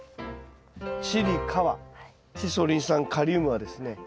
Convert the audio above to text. チリカはチッ素リン酸カリウムはですね